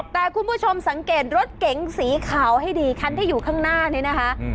แต่คุณผู้ชมสังเกตรถเก๋งสีขาวให้ดีคันที่อยู่ข้างหน้านี้นะคะ